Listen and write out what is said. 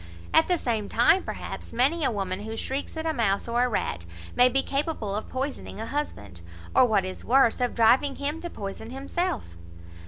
At the same time, perhaps, many a woman who shrieks at a mouse, or a rat, may be capable of poisoning a husband; or, what is worse, of driving him to poison himself.